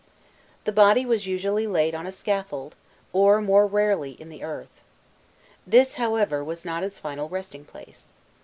The body was usually laid on a scaffold, or, more rarely, in the earth. This, however, was not its final resting place.